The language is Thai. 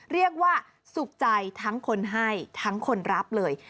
เรียกว่าสุขใจทั้งคนให้ทั้งคนรับเลย